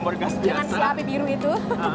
jangan selapi biru itu